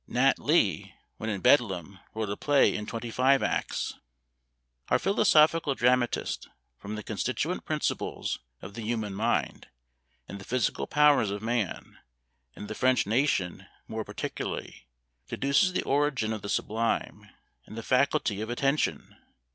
Nat. Lee, when in Bedlam, wrote a play in twenty five acts. Our philosophical dramatist, from the constituent principles of the human mind, and the physical powers of man, and the French nation more particularly, deduces the origin of the sublime, and the faculty of attention.